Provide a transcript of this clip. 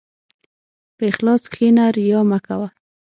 په اخلاص کښېنه، ریا مه کوه.